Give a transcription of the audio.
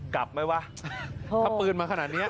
กลับมั้ยว่ะ